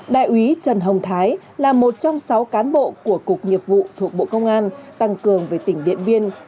đại úy trần hồng thái là một trong sáu cán bộ của cục nhiệp vụ thuộc bộ công an tăng cường về tỉnh điện biên